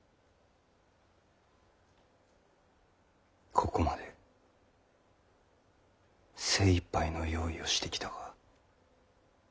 ここまで精いっぱいの用意をしてきたが。